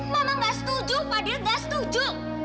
mama gak setuju fadil gak setuju